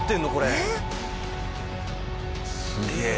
すげえ。